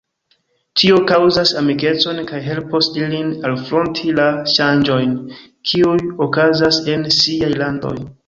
Tio kaŭzas amikecon kaj helpos ilin alfronti la ŝanĝojn, kiuj okazas en siaj landoj.